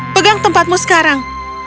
pegang tempatmu sekarang